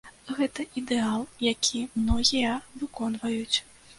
Гэта ідэал, які многія выконваюць.